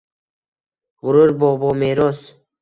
gʼurur bobomeros